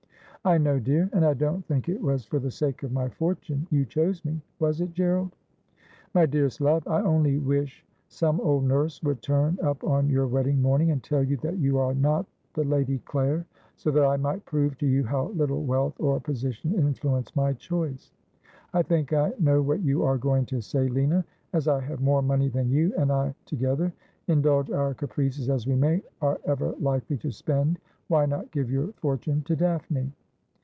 I know, dear ; and I don't think it was for the sake of my fortune you chose me, was it, Gerald ?'' My dearest love, I only wish some old nurse would turn up on your wedding morning and tell you that you are not the Lady Clare, so that I might prove to you how little wealth or position influenced my choice. I think I know what you are going to say, Lina. As I have more money than you and I together — indulge our caprices as we may — are ever likely to spend, why not give your fortune to Daphne